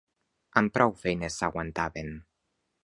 Amb prou feines s'aguantaven